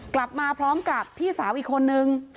กลับมาพร้อมกับพี่สาวอีกคนนึง